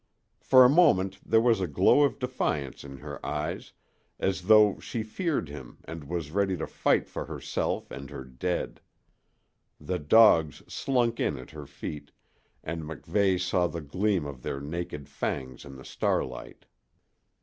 For a moment there was a glow of defiance in her eyes, as though she feared him and was ready to fight for herself and her dead. The dogs slunk in at her feet, and MacVeigh saw the gleam of their naked fangs in the starlight.